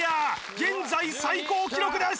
現在最高記録です・